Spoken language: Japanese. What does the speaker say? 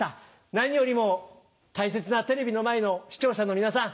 何よりも大切なテレビの前の視聴者の皆さん